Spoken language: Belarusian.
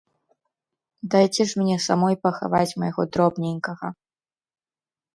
Дайце ж мне самой пахаваць майго дробненькага.